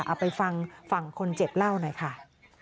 เอาไปฟังฝั่งคนเจ็บเล่าหน่อยค่ะ